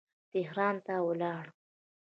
تهران ته ولاړ.